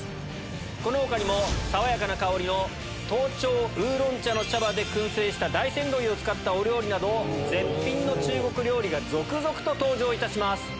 この他にも爽やかな香りの凍頂烏龍茶の茶葉で薫製した大山どりを使ったお料理など絶品の中国料理が続々と登場いたします。